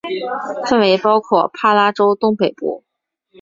范围包括帕拉州东北部。